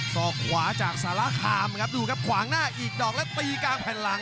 ศอกขวาจากสารคามครับดูครับขวางหน้าอีกดอกแล้วตีกลางแผ่นหลัง